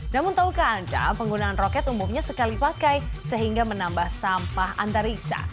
namun tahukah anda penggunaan roket umumnya sekali pakai sehingga menambah sampah antariksa